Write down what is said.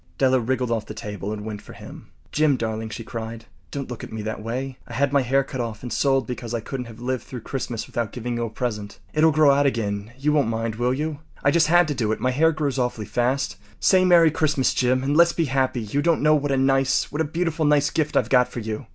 Della wriggled off the table and went for him. “Jim, darling,” she cried, “don’t look at me that way. I had my hair cut off and sold because I couldn’t have lived through Christmas without giving you a present. It’ll grow out again—you won’t mind, will you? I just had to do it. My hair grows awfully fast. Say ‘Merry Christmas!’ Jim, and let’s be happy. You don’t know what a nice—what a beautiful, nice gift I’ve got for you.